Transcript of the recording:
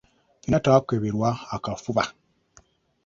Ffenna twakeberebwa akafuba.